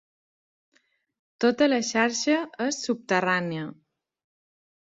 Tota la xarxa és subterrània.